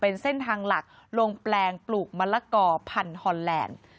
เป็นเส้นทางหลักลงแปลงปลูกมะละกอพันธอนแลนด์